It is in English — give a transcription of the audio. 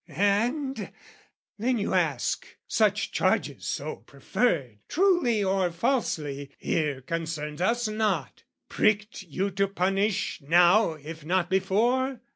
And then you ask "Such charges so preferred, "(Truly or falsely, here concerns us not) "Pricked you to punish now if not before?